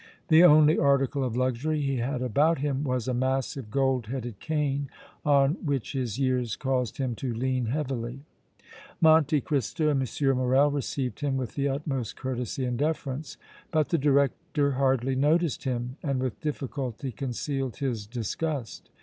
The only article of luxury he had about him was a massive gold headed cane on which his years caused him to lean heavily. Monte Cristo and M. Morrel received him with the utmost courtesy and deference, but the director hardly noticed him and with difficulty concealed his disgust.